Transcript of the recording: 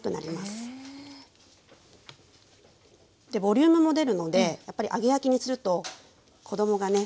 でボリュームも出るのでやっぱり揚げ焼きにすると子供がね